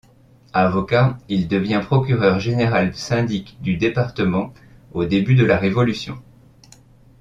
Avocat, il devient procureur général syndic du département au début de la Révolution.